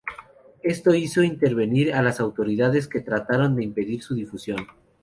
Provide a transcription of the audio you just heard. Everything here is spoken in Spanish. Esto hizo intervenir a las autoridades que trataron de impedir su difusión.